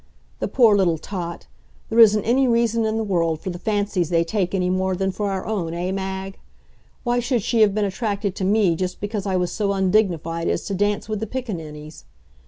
The poor little tot! There isn't any reason in the world for the fancies they take any more than for our own; eh, Mag? Why should she have been attracted to me just because I was so undignified as to dance with the piccaninnies?